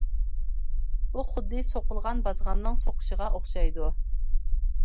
بۇ خۇددى سوقۇلغان بازغاننىڭ سوقۇشىغا ئوخشايدۇ.